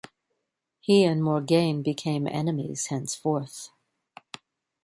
He and Morgaine become enemies henceforth.